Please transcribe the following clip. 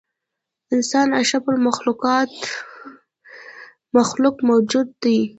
انسان اشرف المخلوق موجود دی.